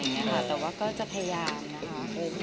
แต่ว่าก็จะพยายามนะคะ